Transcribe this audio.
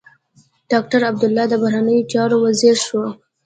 ډاکټر عبدالله د بهرنيو چارو وزیر شو.